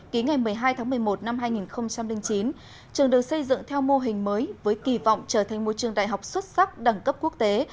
ký ngày một mươi hai tháng một mươi một năm hai nghìn chín trường được xây dựng theo mô hình mới với kỳ vọng trở thành một trường đại học xuất sắc đẳng cấp quốc tế